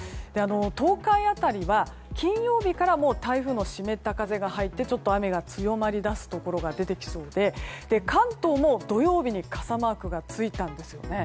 東海辺りは金曜日から台風の湿った風が入ってちょっと雨が強まりだすところが出てきそうで関東も土曜日に傘マークがついたんです。